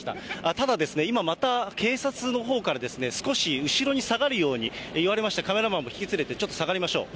ただですね、今また警察のほうから、少し後ろに下がるように言われまして、カメラマンも引き連れてちょっと下がりましょう。